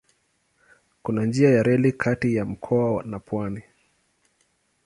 Kuna njia ya reli kati ya mkoa na pwani.